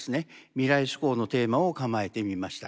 未来志向のテーマを構えてみました。